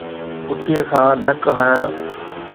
پٺيءَ کان ڌڪ هڻڻ